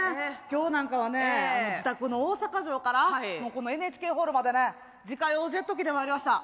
今日なんかはね自宅の大阪城からこのＮＨＫホールまでね自家用ジェット機で参りました。